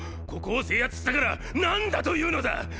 ここを制圧したから何だというのだ！！